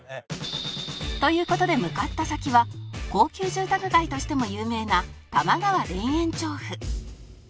という事で向かった先は高級住宅街としても有名な玉川田園調布